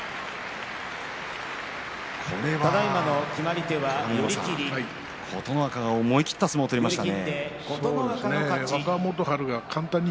これは鏡山さん、琴ノ若が思い切った相撲を取りましたね。